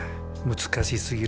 難しすぎる。